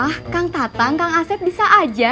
ah kang tatang kang asep bisa aja